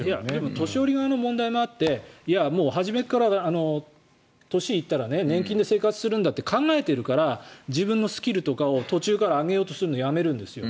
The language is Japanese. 年寄り側の問題もあっていや、初めから年行ったら年金で生活するって考えてるから自分のスキルとかを途中から上げるのをやめようとするんですよ。